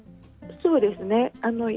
そうですね。